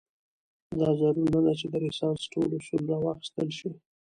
دا ضرور نه ده چې د رنسانس ټول اصول راواخیستل شي.